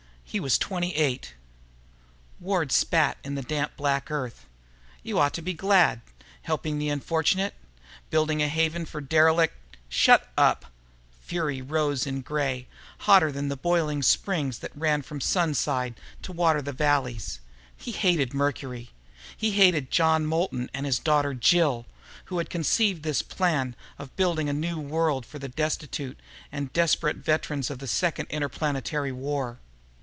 He was twenty eight. Wade spat in the damp black earth. "You ought to be glad helping the unfortunate, building a haven for the derelict...." "Shut up!" Fury rose in Gray, hotter than the boiling springs that ran from the Sunside to water the valleys. He hated Mercury. He hated John Moulton and his daughter Jill, who had conceived this plan of building a new world for the destitute and desperate veterans of the Second Interplanetary War.